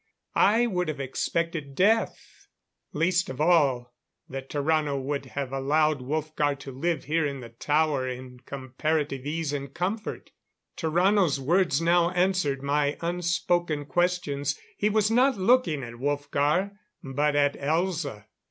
I would have expected death; least of all, that Tarrano would have allowed Wolfgar to live here in the tower, in comparative ease and comfort. Tarrano's words now answered my unspoken questions. He was not looking at Wolfgar, but at Elza.